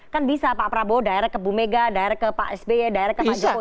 kan bisa pak prabowo daerah ke bumega daerah ke pak sby daerah ke pak jokowi